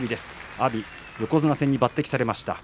阿炎が横綱戦に抜てきされました。